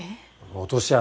落とし穴